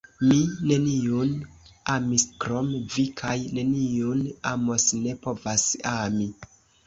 Mi neniun amis krom vi kaj neniun amos, ne povas ami!